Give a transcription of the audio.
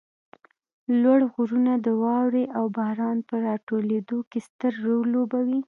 لوړ غرونه د واروې او باران په راټولېدو کې ستر رول لوبوي